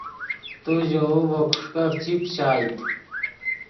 تو ژے وُو ڤے کوݰکف چی پچائیت